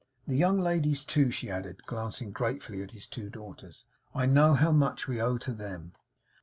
The young ladies too,' she added, glancing gratefully at his two daughters, 'I know how much we owe to them.